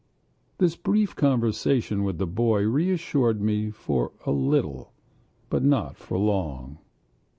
This brief conversation with the boy reassured me for a little, but not for long.